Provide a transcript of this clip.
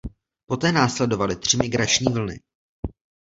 Poté následovaly tři migrační vlny.